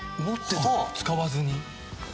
「使わずに？」